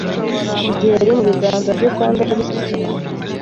Igihe yari mu biganza bye kandi abisabwe n'inshuti